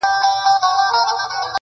چي غزل وي چا لیکلی بې الهامه،